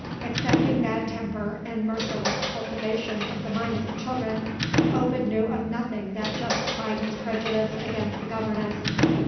Excepting bad temper, and merciless cultivation of the minds of children, Ovid knew of nothing that justified his prejudice against the governess.